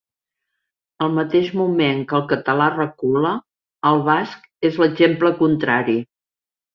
Al mateix moment que el català recula, el basc és l’exemple contrari.